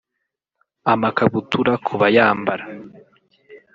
amakabutura kubayambara